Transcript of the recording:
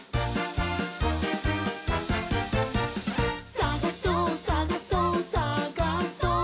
「さがそうさがそうさがそう」